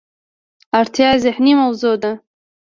اړتیا ذهني موضوع ده.